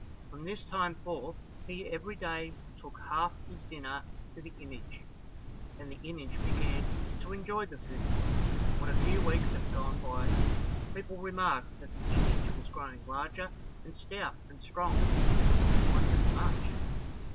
From this time forth, he every day took half his dinner to the image, and the image began to enjoy the food. When a few weeks had gone by, people remarked that the image was growing larger and stout and strong, and wondered much.